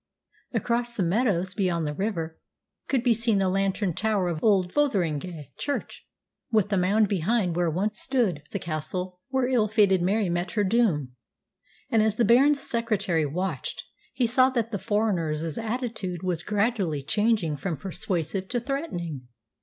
Across the meadows, beyond the river, could be seen the lantern tower of old Fotheringhay church, with the mound behind where once stood the castle where ill fated Mary met her doom. And as the Baron's secretary watched, he saw that the foreigner's attitude was gradually changing from persuasive to threatening.